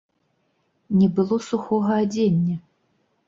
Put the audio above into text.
Не было сухога адзення!